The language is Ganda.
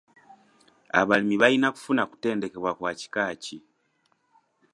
Abalimi balina kufuna kutendekebwa kwa kika ki?